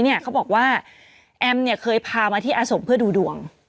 เขาบอกว่าแอมเนี่ยเคยพามาที่อาสมเพื่อดูดวง